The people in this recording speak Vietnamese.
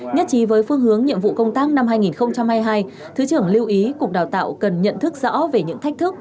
nhất trí với phương hướng nhiệm vụ công tác năm hai nghìn hai mươi hai thứ trưởng lưu ý cục đào tạo cần nhận thức rõ về những thách thức